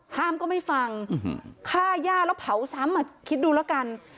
ก็ไม่ฟังฆ่าย่าแล้วเผาซ้ำคิดดูแล้วกัน